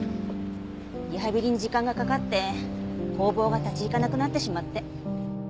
リハビリに時間がかかって工房が立ち行かなくなってしまって。